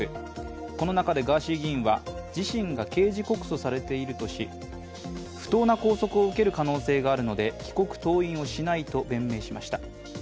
この中で、ガーシー議員は自身が刑事告訴されているとし不当な拘束を受ける可能性があるので帰国登院をしないと弁明しました。